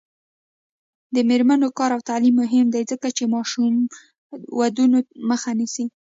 د میرمنو کار او تعلیم مهم دی ځکه چې ماشوم ودونو مخه نیسي.